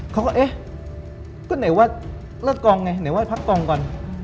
เขาก็เอ๊ะก็ไหนว่าเลิกกองไงไหนไห้พักกองก่อน